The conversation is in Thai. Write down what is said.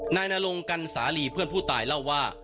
นายนรงกันสาลีเพื่อนผู้ตายเล่าว่า